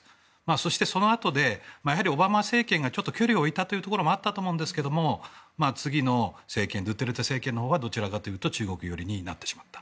そして、そのあとでオバマ政権が距離を置いたところもあったと思うんですが次の政権のドゥテルテ政権のほうがどちらかというと中国寄りになってしまった。